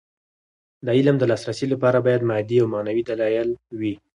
د علم د لاسرسي لپاره باید مادي او معنوي دلايل وي.